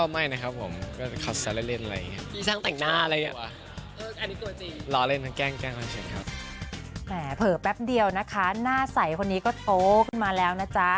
แหมเผลอแป๊บเดียวนะคะหน้าใสคนนี้ก็โตขึ้นมาแล้วนะจ๊ะ